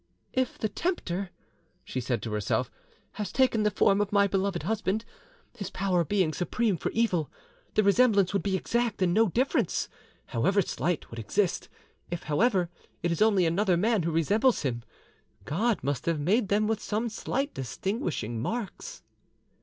"If the Tempter," she said to herself, "has taken the form of my beloved husband, his power being supreme for evil, the resemblance would be exact, and no difference, however slight, would exist. If, however, it is only another man who resembles him, God must have made them with some slight distinguishing marks."